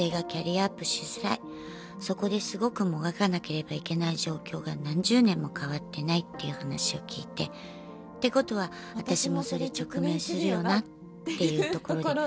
そこですごくもがかなければいけない状況が何十年も変わってないっていう話を聞いて。ってことは私もそれ直面するよなっていうところで。